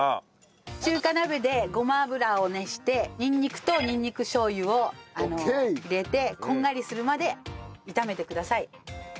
中華鍋でごま油を熱してにんにくとにんにくしょう油を入れてこんがりするまで炒めてください。